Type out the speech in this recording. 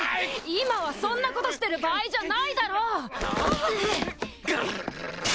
今はそんなことしてる場合じゃないだろ！